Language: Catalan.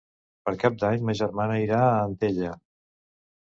Per Cap d'Any ma germana irà a Antella.